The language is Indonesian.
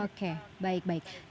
oke baik baik saja pak doni